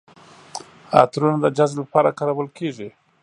عطرونه د جذب لپاره کارول کیږي.